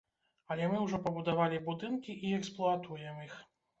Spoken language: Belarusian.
Але мы ўжо пабудавалі будынкі і эксплуатуем іх.